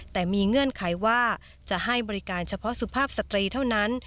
แต่มีเงื่อนไขว่าจะให้บริการเฉพาะสุภาพสตรีเท่านั้น